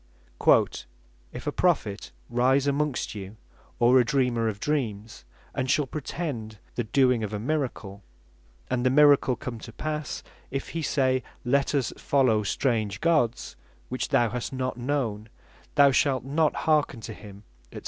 (Deut. 13 v. 1,2,3,4,5 ) "If a Prophet rise amongst you, or a Dreamer of dreams, and shall pretend the doing of a miracle, and the miracle come to passe; if he say, Let us follow strange Gods, which thou hast not known, thou shalt not hearken to him, &c.